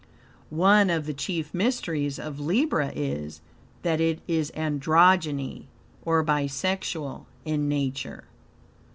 One of the chief mysteries of Libra is, that, it is androgyne, or bisexual, in nature.